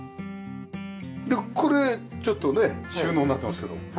でこれちょっとね収納になってますけど。